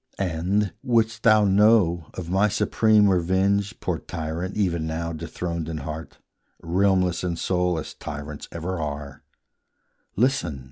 And, wouldst thou know of my supreme revenge Poor tyrant, even now dethroned in heart, Realmless in soul, as tyrants ever are, Listen!